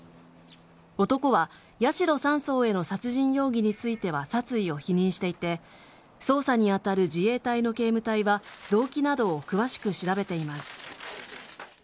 男は八代３曹への殺人容疑については殺意を否認していて捜査に当たる自衛隊の警務隊は動機などを詳しく調べています。